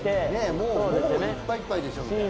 もういっぱいいっぱいでしょみたいな。